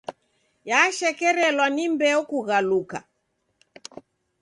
Yashekerelwa ni mbeo kughaluka.